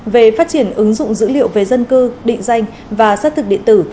về phát triển ứng dụng dữ liệu về dân cư định danh và xác thực điện tử